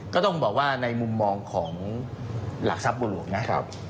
ก็ต้องบอกว่าในมุมมองของหลักทรัพย์บุรุษนะครับ